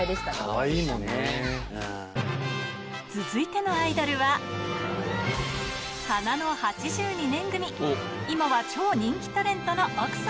続いてのアイドルは、花の８２年組、今は超人気タレントの奥様。